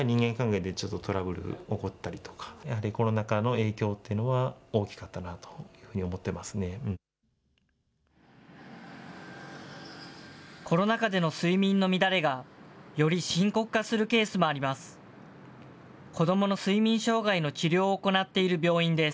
コロナ禍での睡眠の乱れがより深刻化するケースもあります。